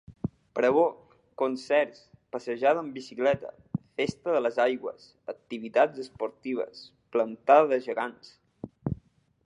Pregó, concerts, passejada en bicicleta, festa de les aigües, activitats esportives, plantada de gegants.